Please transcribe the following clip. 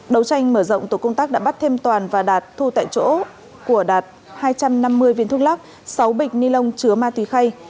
đấu tranh mở rộng tổ công tác đã bắt thêm toàn và đạt thu tại chỗ của đạt hai trăm năm mươi viên thuốc lắc sáu bịch ni lông chứa ma túy khay